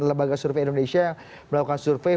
lembaga survei indonesia yang melakukan survei